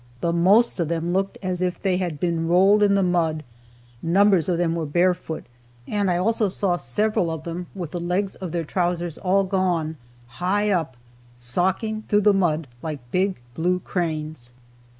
The most of them looked as if they had been rolled in the mud, numbers of them were barefoot, and I also saw several with the legs of their trousers all gone, high up, socking through the mud like big blue cranes.